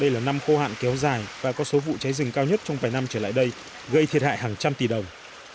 đây là năm khô hạn kéo dài và có số vụ cháy rừng cao nhất trong vài năm trở lại đây gây thiệt hại hàng trăm tỷ đồng